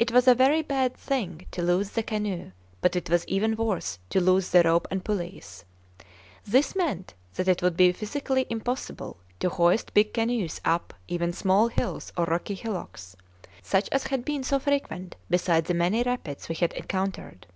It was a very bad thing to lose the canoe, but it was even worse to lose the rope and pulleys. This meant that it would be physically impossible to hoist big canoes up even small hills or rocky hillocks, such as had been so frequent beside the many rapids we had encountered.